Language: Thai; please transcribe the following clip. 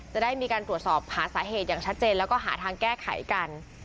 จะได้มีการตรวจสอบหาสาเหตุอย่างชัดเจนแล้วก็หาทางแก้ไขกัน